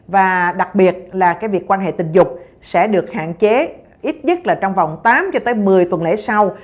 và đặc biệt là cái việc quan hệ tình dục sẽ được hạn chế ít nhất là trong vòng tám cho tới một mươi tuần lễ sau